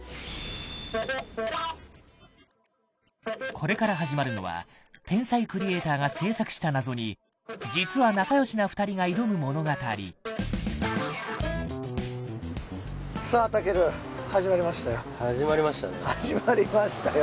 これから始まるのは天才クリエイターが制作した謎に実は仲よしな２人が挑む物語さあ健始まりましたよ始まりましたね始まりましたよ